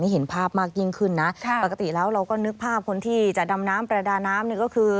เห็นภาพมากยิ่งขึ้นนะปกติแล้วเราก็นึกภาพคนที่จะดำน้ำประดาน้ำนี่ก็คือ